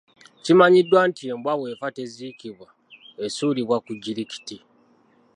Kimanyiddwa nti embwa bw'efa teziikibwa esuulibwa ku jjirikiti.